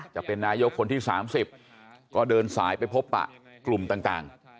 จะเป็นนายกคนที่๓๐ก็เดินสายไปพบปะกลุ่มต่าง